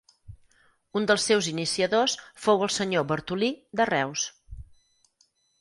Un dels seus iniciadors fou el senyor Bartolí, de Reus.